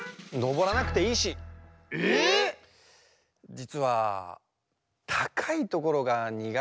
じつはたかいところがにがてで。